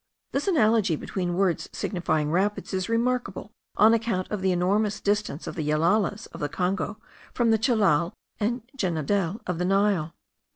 This analogy between words signifying rapids is remarkable, on account of the enormous distance of the yellalas of the Congo from the chellal and djenadel of the Nile.